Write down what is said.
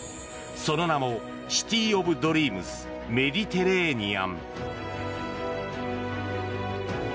その名もシティ・オブ・ドリームスメディテレーニアン。